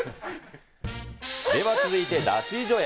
では続いて脱衣所へ。